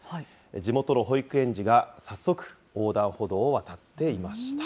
地元の保育園児が早速、横断歩道を渡っていました。